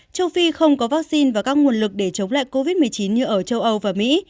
châu phi không có vaccine và các nguồn lực để chống lại covid một mươi chín như ở châu âu và mỹ